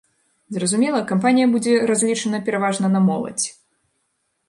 Зразумела, кампанія будзе разлічана пераважна на моладзь.